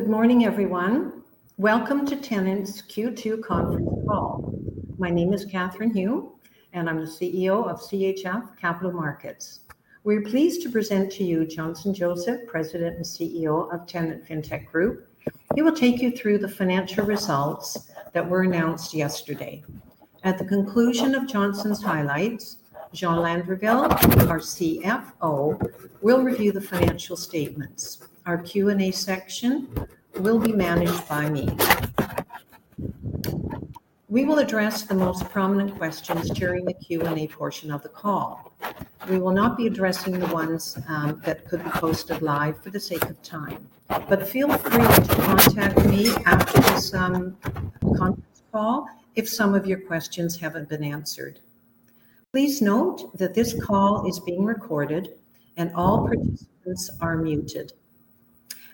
Good morning, everyone. Welcome to Tenet's Q2 conference call. My name is Catherine Hume, and I'm the CEO of CHF Capital Markets. We're pleased to present to you Johnson Joseph, President and CEO of Tenet Fintech Group. He will take you through the financial results that were announced yesterday. At the conclusion of Johnson's highlights, Jean Landreville, our CFO, will review the financial statements. Our Q&A section will be managed by me. We will address the most prominent questions during the Q&A portion of the call. We will not be addressing the ones that could be posted live for the sake of time, but feel free to contact me after this conference call if some of your questions haven't been answered. Please note that this call is being recorded and all participants are muted.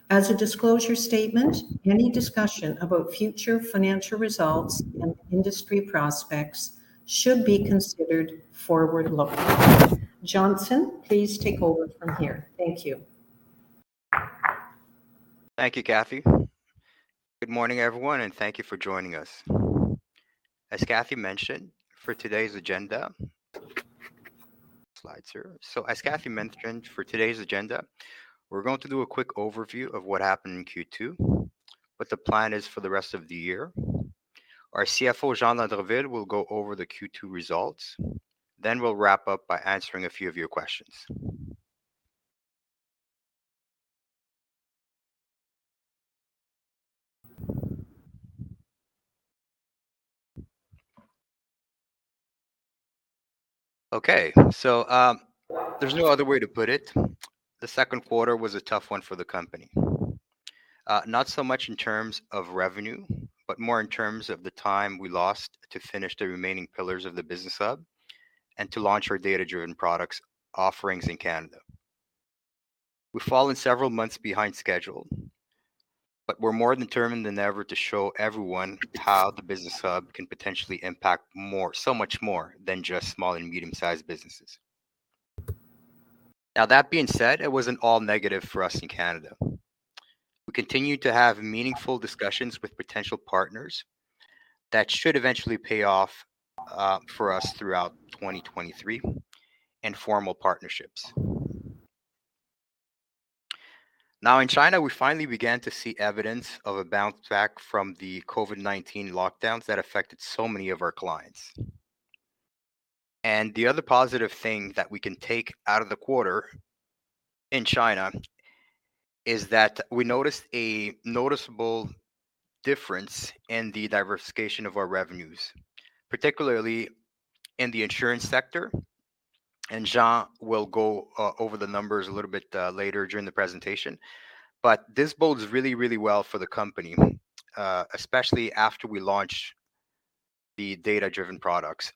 As a disclosure statement, any discussion about future financial results and industry prospects should be considered forward-looking. Johnson, please take over from here. Thank you. Thank you, Cathy. Good morning, everyone, and thank you for joining us. As Cathy mentioned, for today's agenda. So, as Cathy mentioned, for today's agenda, we're going to do a quick overview of what happened in Q2, what the plan is for the rest of the year. Our CFO, Jean Landreville, will go over the Q2 results, then we'll wrap up by answering a few of your questions. Okay, so, there's no other way to put it, the second quarter was a tough one for the company. Not so much in terms of revenue, but more in terms of the time we lost to finish the remaining pillars of the Business Hub and to launch our data-driven products offerings in Canada. We've fallen several months behind schedule, but we're more determined than ever to show everyone how the Business Hub can potentially impact more, so much more than just small and medium-sized businesses. Now, that being said, it wasn't all negative for us in Canada. We continued to have meaningful discussions with potential partners that should eventually pay off for us throughout 2023 and formal partnerships. Now, in China, we finally began to see evidence of a bounce back from the COVID-19 lockdowns that affected so many of our clients. And the other positive thing that we can take out of the quarter in China is that we noticed a noticeable difference in the diversification of our revenues, particularly in the insurance sector, and Jean will go over the numbers a little bit later during the presentation. But this bodes really, really well for the company, especially after we launch the data-driven products,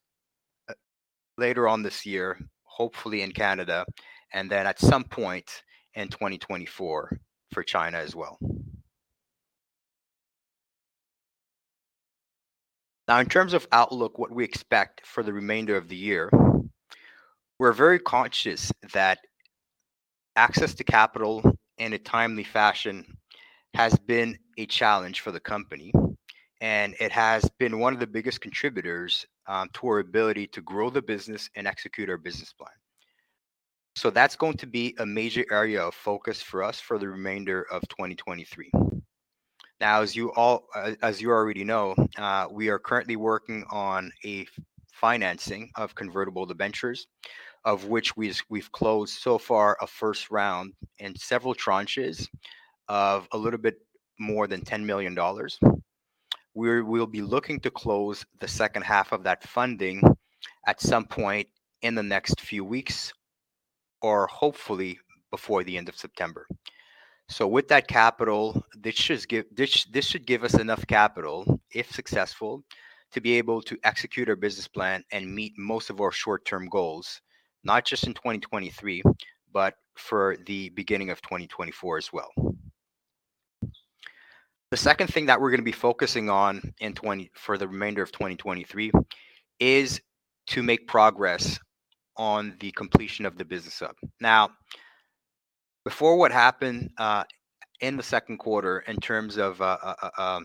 later on this year, hopefully in Canada, and then at some point in 2024 for China as well. Now, in terms of outlook, what we expect for the remainder of the year, we're very conscious that access to capital in a timely fashion has been a challenge for the company, and it has been one of the biggest contributors, to our ability to grow the business and execute our business plan. So that's going to be a major area of focus for us for the remainder of 2023. Now, as you already know, we are currently working on a financing of convertible debentures, of which we've closed so far, a first round and several tranches of a little bit more than 10 million dollars. We will be looking to close the second half of that funding at some point in the next few weeks, or hopefully before the end of September. So with that capital, this should give us enough capital, if successful, to be able to execute our business plan and meet most of our short-term goals, not just in 2023, but for the beginning of 2024 as well. The second thing that we're going to be focusing on for the remainder of 2023 is to make progress on the completion of the Business Hub. Now, before what happened in the second quarter in terms of at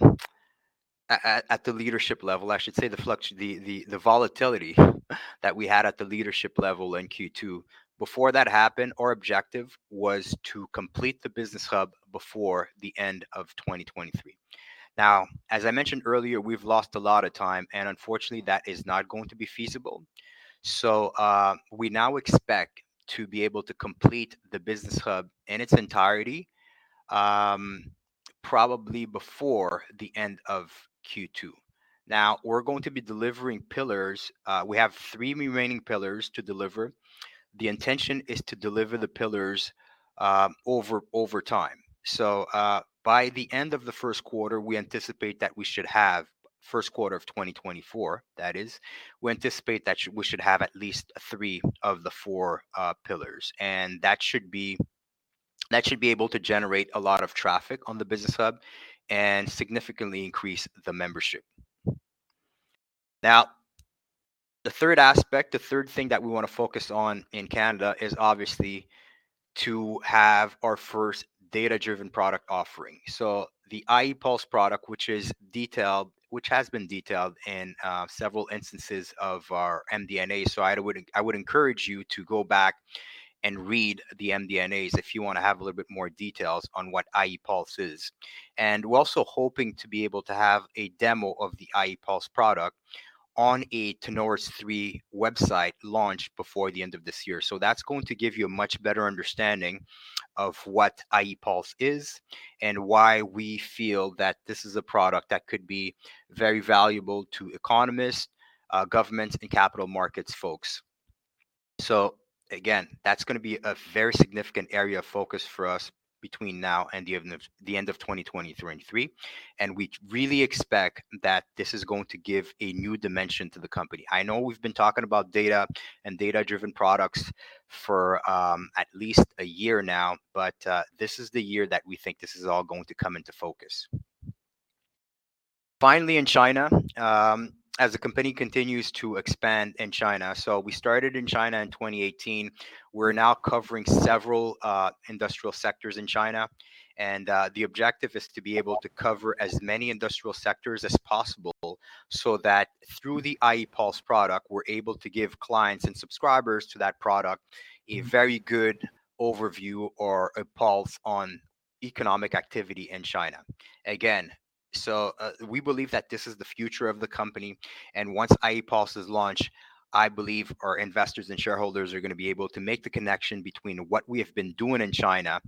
the leadership level, I should say the flux, the volatility that we had at the leadership level in Q2, before that happened, our objective was to complete the Business Hub before the end of 2023. Now, as I mentioned earlier, we've lost a lot of time, and unfortunately, that is not going to be feasible. So, we now expect to be able to complete the Business Hub in its entirety, probably before the end of Q2. Now, we're going to be delivering pillars. We have three remaining pillars to deliver. The intention is to deliver the pillars over time. By the end of the first quarter, we anticipate that we should have, first quarter of 2024, that is, we anticipate that we should have at least three of the four, pillars. And that should be, that should be able to generate a lot of traffic on the Business Hub and significantly increase the membership. Now, the third aspect, the third thing that we wanna focus on in Canada is obviously to have our first data-driven product offering. So, the ie-Pulse product, which is detailed, which has been detailed in, several instances of our MD&A. So, I would, I would encourage you to go back and read the MD&As if you wanna have a little bit more details on what ie-Pulse is. We're also hoping to be able to have a demo of the ie-Pulse product on a Tenoris3 website launch before the end of this year. So that's going to give you a much better understanding of what ie-Pulse is, and why we feel that this is a product that could be very valuable to economists, governments, and capital markets folks. So again, that's gonna be a very significant area of focus for us between now and the end of 2023. And we really expect that this is going to give a new dimension to the company. I know we've been talking about data and data-driven products for at least a year now, but this is the year that we think this is all going to come into focus. Finally, in China, as the company continues to expand in China, so we started in China in 2018. We're now covering several industrial sectors in China, and the objective is to be able to cover as many industrial sectors as possible, so that through the ie-Pulse product, we're able to give clients and subscribers to that product a very good overview or a pulse on economic activity in China. Again, so we believe that this is the future of the company, and once ie-Pulse is launched, I believe our investors and shareholders are gonna be able to make the connection between what we have been doing in China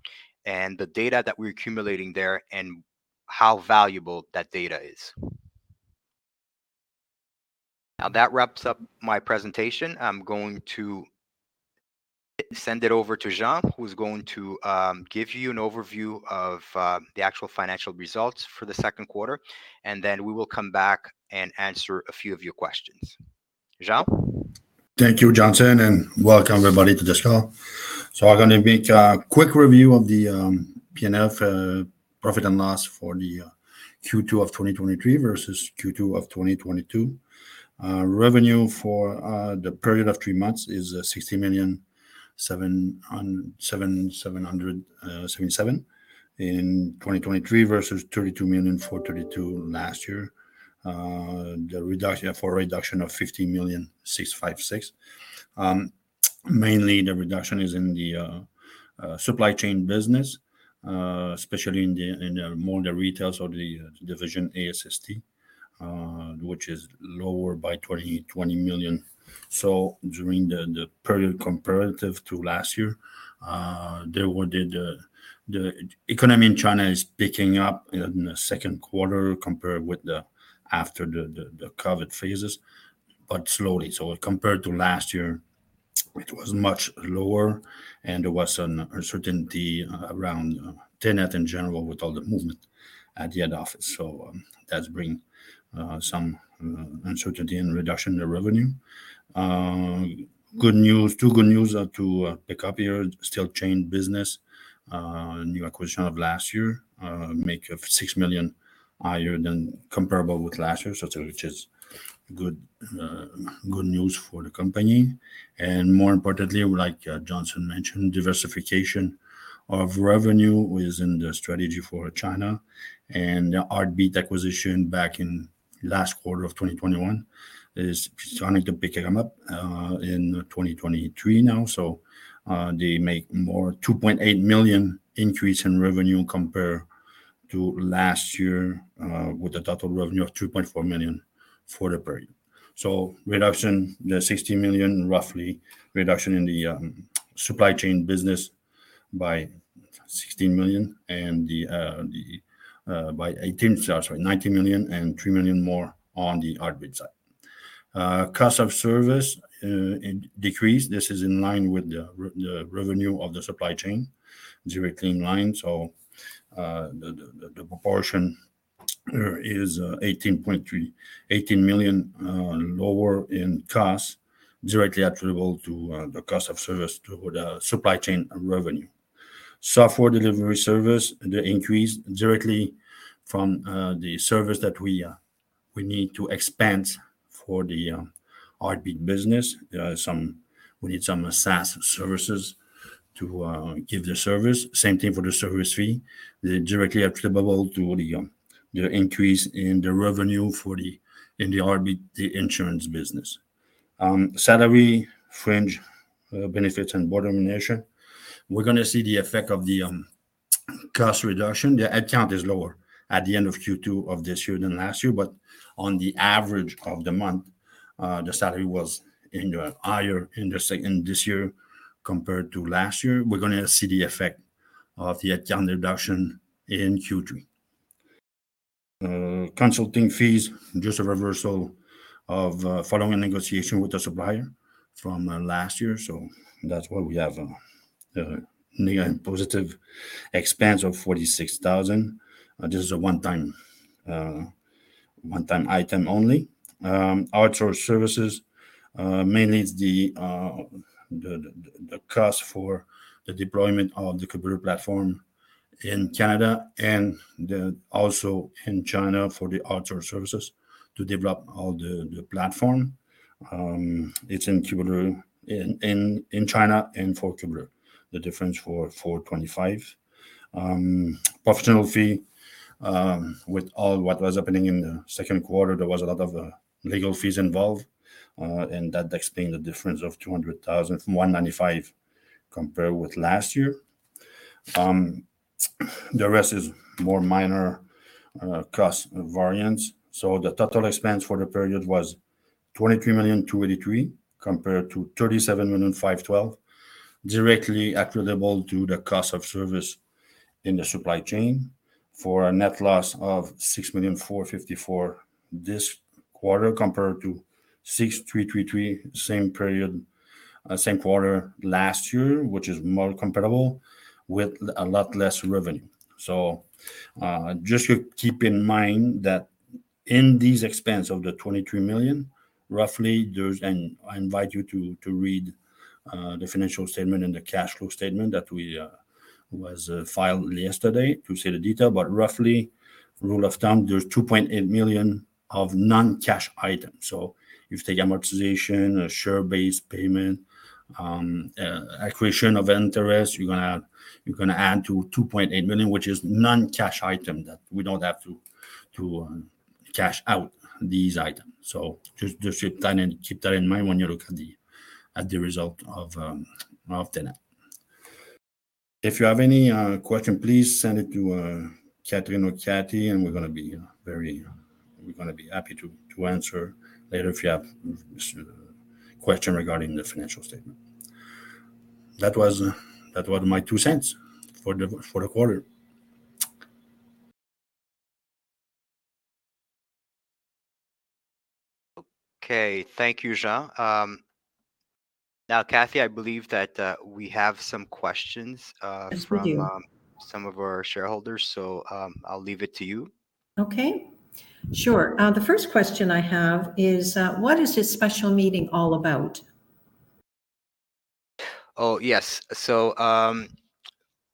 and the data that we're accumulating there, and how valuable that data is. Now, that wraps up my presentation. I'm going to send it over to Jean, who's going to give you an overview of the actual financial results for the second quarter, and then we will come back and answer a few of your questions. Jean? Thank you, Johnson, and welcome, everybody, to the show. So, I'm gonna make a quick review of the P&L, profit and loss for the Q2 of 2023 versus Q2 of 2022. Revenue for the period of three months is 60,777,777 in 2023 versus 32,432,000 last year. The reduction, for a reduction of 50,656,000. Mainly the reduction is in the supply chain business, especially in the modern retail. So, the division ASSC, which is lower by 20 million. So, during the period comparative to last year, there were the. The economy in China is picking up in the second quarter compared with after the COVID phases, but slowly. So compared to last year, it was much lower, and there was an uncertainty around Tenet in general with all the movement at the head office. So, that's bringing some uncertainty and reduction in revenue. Good news, two good news to pick up here. Steel chain business, new acquisition of last year, made 6 million higher than comparable with last year. So, which is good, good news for the company. And more importantly, like, Johnson mentioned, diversification of revenue is in the strategy for China. And the Heartbeat acquisition back in last quarter of 2021 is starting to pick them up in 2023 now. So, they made more, 2.8 million increase in revenue compared to last year, with a total revenue of 2.4 million for the period. So, reduction, the 60 million, roughly reduction in the supply chain business by 16 million and the by 19 million and 3 million more on the Heartbeat side. Cost of service decreased. This is in line with the revenue of the supply chain, directly in line. So, the proportion is 18.3, 18 million lower in cost, directly attributable to the cost of service to the supply chain revenue. Software delivery service, the increase directly from the service that we need to expand for the Heartbeat business. There are some, we need some SaaS services to give the service. Same thing for the service fee. They're directly attributable to the increase in the revenue for the Heartbeat, the insurance business. Salary, fringe benefits, and bonus remuneration. We're gonna see the effect of the cost reduction. The headcount is lower at the end of Q2 of this year than last year, but on the average of the month, the salary was even higher in the second, this year compared to last year. We're gonna see the effect of the headcount reduction in Q3. Consulting fees, just a reversal of following a negotiation with the supplier from last year. So that's why we have the negative and positive expense of 46,000. This is a one-time item only. Outsource services, mainly it's the cost for the deployment of the Cubeler platform in China and also in China for the outsource services to develop all the platform. It's in Cubeler in China and for Cubeler, the difference of 425,000. Professional fee, with all what was happening in the second quarter, there was a lot of legal fees involved, and that explains the difference of 200,000 from 195,000 compared with last year. The rest is more minor cost variance. So the total expense for the period was 23.283 million, compared to 37.512 million, directly attributable to the cost of service in the supply chain, for a net loss of 6.454 million this quarter, compared to 6.333 million, same period, same quarter last year, which is more comparable with a lot less revenue. So, just to keep in mind that in this expense of the 23 million, roughly there's I invite you to read the financial statement and the cash flow statement that we were filed yesterday to see the detail. But roughly, rule of thumb, there's 2.8 million of non-cash items. So if you take amortization, share base payment, accretion of interest, you're gonna add to 2.8 million, which is non-cash item that we don't have to cash out these items. So just keep that in mind when you look at the result of the net. If you have any question, please send it to Catherine or Cathy, and we're gonna be very happy to answer later if you have question regarding the financial statement. That was, that was my two cents for the, for the quarter. Okay. Thank you, Jean. Now, Cathy, I believe that we have some questions. Yes, we do. From some of our shareholders, so, I'll leave it to you. Okay. Sure. The first question I have is, what is this special meeting all about? Oh, yes. So,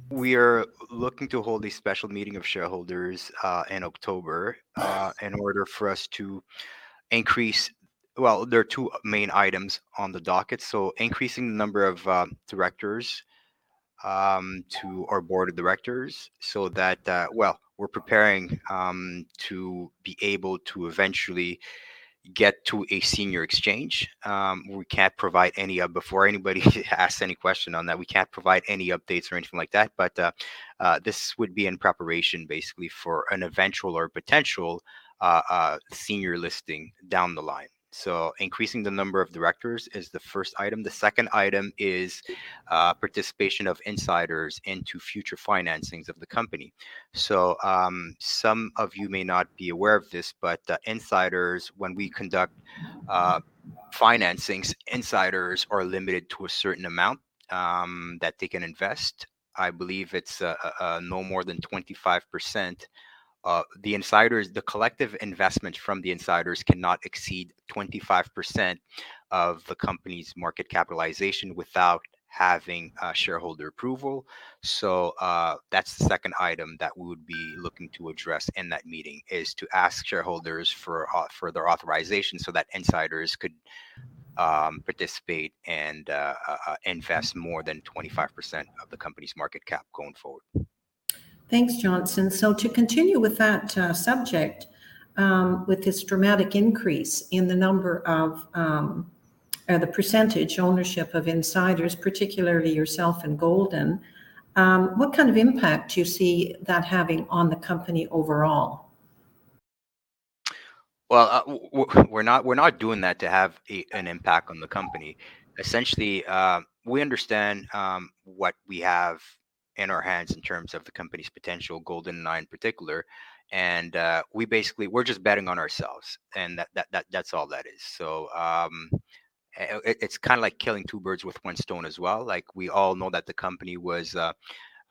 we are looking to hold a special meeting of shareholders in October in order for us to increase. Well, there are two main items on the docket, so increasing the number of directors to our board of directors so that, well, we're preparing to be able to eventually get to a senior exchange. We can't provide any, before anybody asks any question on that, we can't provide any updates or anything like that, but this would be in preparation basically for an eventual or potential senior listing down the line. So, increasing the number of directors is the first item. The second item is participation of insiders into future financings of the company. So, some of you may not be aware of this, but insiders, when we conduct financings, insiders are limited to a certain amount that they can invest. I believe it's no more than 25%. The insiders, the collective investment from the insiders cannot exceed 25% of the company's market capitalization without having shareholder approval. So, that's the second item that we would be looking to address in that meeting, is to ask shareholders for further authorization so that insiders could participate and invest more than 25% of the company's market cap going forward. Thanks, Johnson. So, to continue with that subject, with this dramatic increase in the percentage ownership of insiders, particularly yourself and Golden, what kind of impact do you see that having on the company overall? Well, we're not, we're not doing that to have a, an impact on the company. Essentially, we understand what we have in our hands in terms of the company's potential, Golden and I in particular, and we basically, we're just betting on ourselves, and that, that's all that is. So, it's kind of like killing two birds with one stone as well. Like, we all know that the company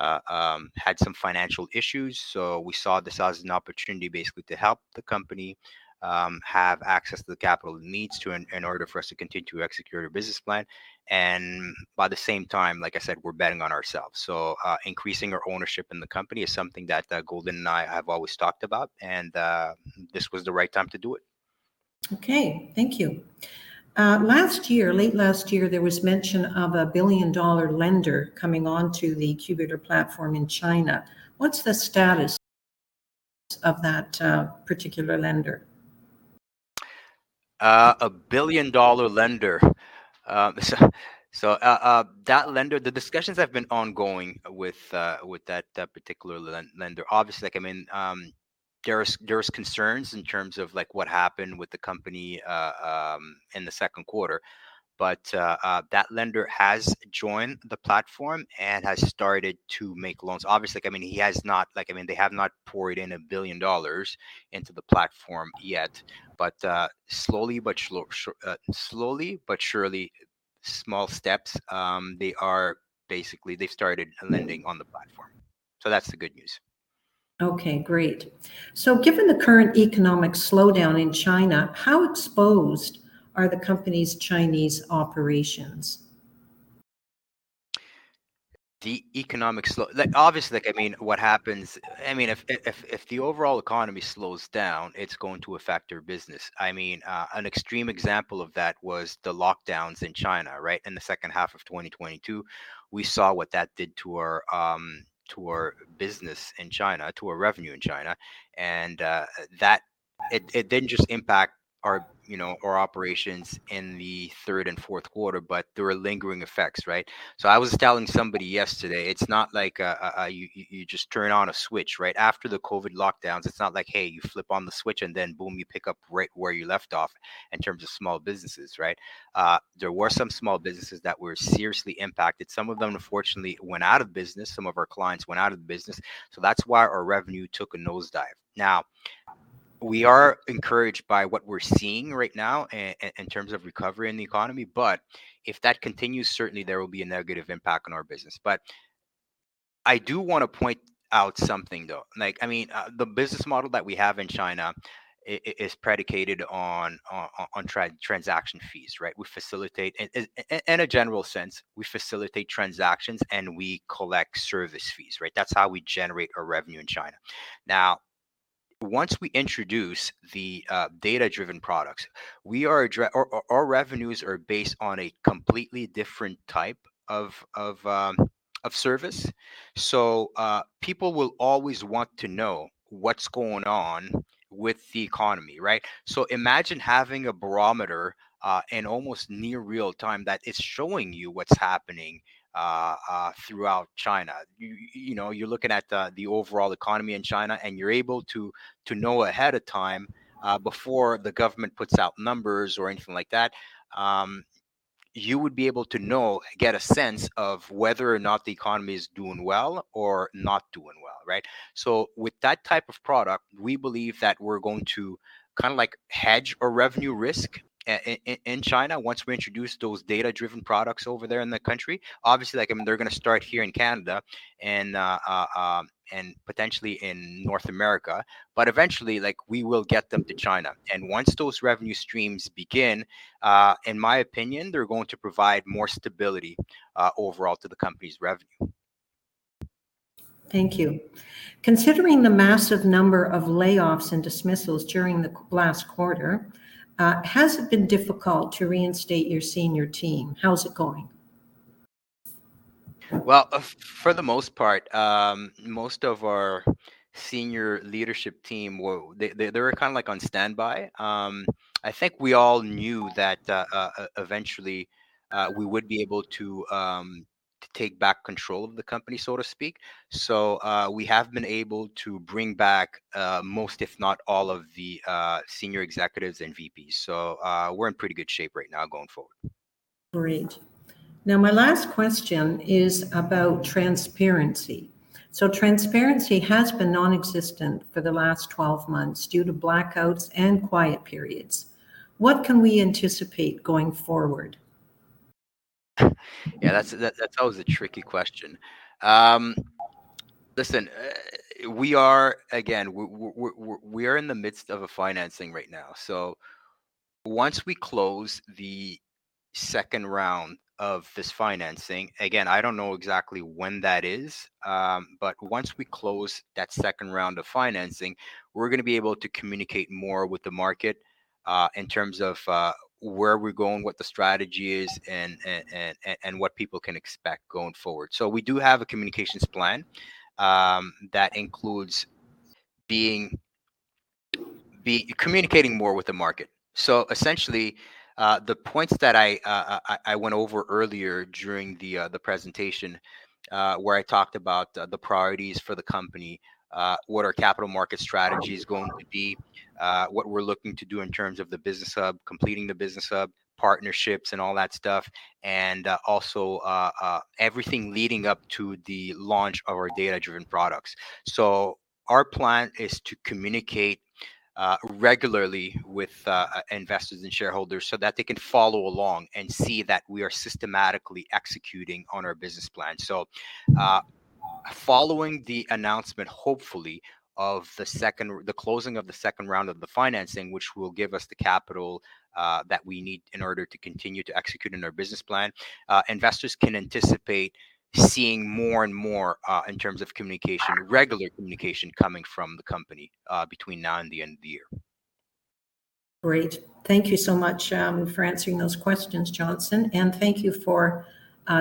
had some financial issues, so we saw this as an opportunity basically to help the company have access to the capital it needs to in order for us to continue to execute our business plan. And by the same time, like I said, we're betting on ourselves. Increasing our ownership in the company is something that Golden and I have always talked about, and this was the right time to do it. Okay, thank you. Last year, late last year, there was mention of a billion-dollar lender coming onto the Cubeler platform in China. What's the status of that particular lender? A billion-dollar lender. So, that lender, the discussions have been ongoing with that particular lender. Obviously, like, I mean, there is concerns in terms of, like, what happened with the company in the second quarter, but that lender has joined the platform and has started to make loans. Obviously, like, I mean, he has not, like, I mean, they have not poured in 1 billion dollars into the platform yet, but slowly but surely, small steps, they are basically, they've started lending on the platform. So that's the good news. Okay, great. Given the current economic slowdown in China, how exposed are the company's Chinese operations? The economic—like, obviously, like, I mean, what happens, I mean, if the overall economy slows down, it's going to affect your business. I mean, an extreme example of that was the lockdowns in China, right? In the second half of 2022, we saw what that did to our business in China, to our revenue in China. And that. It didn't just impact our, you know, our operations in the third and fourth quarter, but there were lingering effects, right? So I was telling somebody yesterday, it's not like, you just turn on a switch, right? After the COVID lockdowns, it's not like, hey, you flip on the switch, and then, boom, you pick up right where you left off in terms of small businesses, right? There were some small businesses that were seriously impacted. Some of them, unfortunately, went out of business. Some of our clients went out of the business, so that's why our revenue took a nosedive. Now, we are encouraged by what we're seeing right now in terms of recovery in the economy, but if that continues, certainly there will be a negative impact on our business. But I do wanna point out something, though. Like, I mean, the business model that we have in China is predicated on transaction fees, right? We facilitate. In a general sense, we facilitate transactions, and we collect service fees, right? That's how we generate our revenue in China. Now, once we introduce the data-driven products, we are addressing. Our revenues are based on a completely different type of service. People will always want to know what's going on with the economy, right? So imagine having a barometer, in almost near real-time, that is showing you what's happening, throughout China. You know, you're looking at the overall economy in China, and you're able to know ahead of time, before the government puts out numbers or anything like that. You would be able to know, get a sense of whether or not the economy is doing well or not doing well, right? So with that type of product, we believe that we're going to kind of like hedge our revenue risk in China, once we introduce those data-driven products over there in the country. Obviously, like, I mean, they're gonna start here in Canada and potentially in North America, but eventually, like, we will get them to China. Once those revenue streams begin, in my opinion, they're going to provide more stability overall to the company's revenue. Thank you. Considering the massive number of layoffs and dismissals during the last quarter, has it been difficult to reinstate your senior team? How is it going? Well, for the most part, most of our senior leadership team were, they were kind of, like, on standby. I think we all knew that eventually we would be able to take back control of the company, so to speak. So, we have been able to bring back most, if not all, of the senior executives and VPs. So, we're in pretty good shape right now going forward. Great. Now, my last question is about transparency. Transparency has been non-existent for the last 12 months due to blackouts and quiet periods. What can we anticipate going forward? Yeah, that's a tricky question. Listen, we are, again, we're in the midst of a financing right now, so once we close the second round of this financing, again, I don't know exactly when that is, but once we close that second round of financing, we're gonna be able to communicate more with the market, in terms of, where we're going, what the strategy is, and what people can expect going forward. So we do have a communications plan, that includes communicating more with the market. Essentially, the points that I went over earlier during the presentation, where I talked about the priorities for the company, what our capital market strategy is going to be, what we're looking to do in terms of the Business Hub, completing the Business Hub, partnerships, and all that stuff, and also everything leading up to the launch of our data-driven products. So, our plan is to communicate regularly with investors and shareholders so that they can follow along and see that we are systematically executing on our business plan. So, following the announcement, hopefully, of the second. The closing of the second round of the financing, which will give us the capital, that we need in order to continue to execute on our business plan. Investors can anticipate seeing more and more, in terms of communication, regular communication coming from the company, between now and the end of the year. Great. Thank you so much for answering those questions, Johnson, and thank you for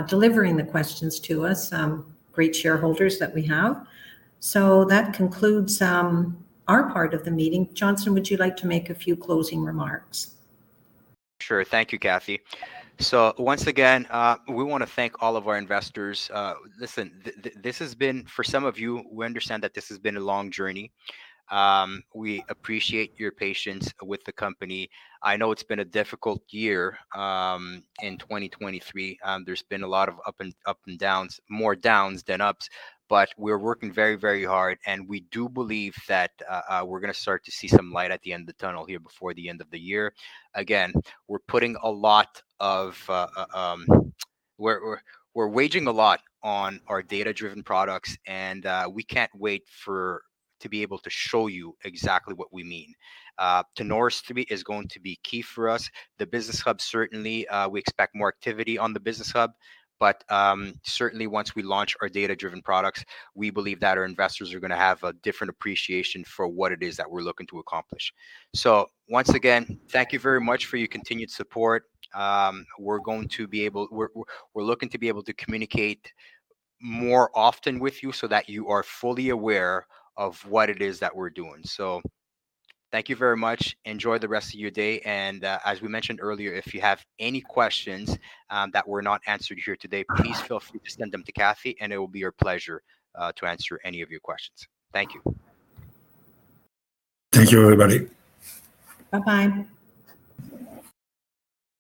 delivering the questions to us, great shareholders that we have. So that concludes our part of the meeting. Johnson, would you like to make a few closing remarks? Sure. Thank you, Cathy. So once again, we wanna thank all of our investors. Listen, this has been, for some of you, we understand that this has been a long journey. We appreciate your patience with the company. I know it's been a difficult year in 2023. There's been a lot of ups and downs, more downs than ups, but we're working very, very hard, and we do believe that we're gonna start to see some light at the end of the tunnel here before the end of the year. Again, we're putting a lot of, we're waging a lot on our data-driven products, and we can't wait to be able to show you exactly what we mean. Tenoris3 is going to be key for us. The Business Hub, certainly, we expect more activity on the Business Hub, but, certainly once we launch our data-driven products, we believe that our investors are gonna have a different appreciation for what it is that we're looking to accomplish. So once again, thank you very much for your continued support. We're looking to be able to communicate more often with you so that you are fully aware of what it is that we're doing. So, thank you very much. Enjoy the rest of your day, and, as we mentioned earlier, if you have any questions, that were not answered here today, please feel free to send them to Cathy, and it will be our pleasure, to answer any of your questions. Thank you. Thank you, everybody. Bye-bye.